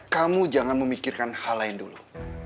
kamu jangan memikirkan hal lain dulu